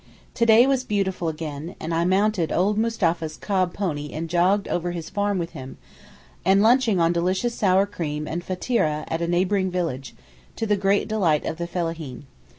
To day was beautiful again, and I mounted old Mustapha's cob pony and jogged over his farm with him, and lunched on delicious sour cream and fateereh at a neighbouring village, to the great delight of the fellaheen.